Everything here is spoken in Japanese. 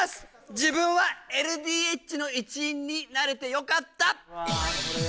自分はＬＤＨの一員になれてよかったわ